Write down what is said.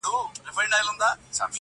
چي پر دي دي او که خپل خوبونه ویني-